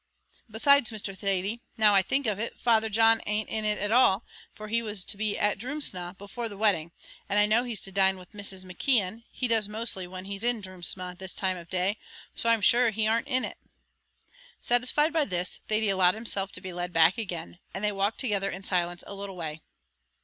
"Besides, Mr. Thady, now I think of it, Father John an't in it at all, for he was to be at Drumsna before the wedding; and I know he's to dine with Mrs. McKeon; he does mostly when he's in Drumsna this time of day, so I'm sure he arn't in it." Satisfied by this, Thady allowed himself to be led back again; and they walked together in silence a little way.